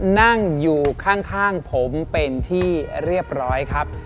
นั่งอยู่ข้างผมเป็นที่เรียบร้อยครับ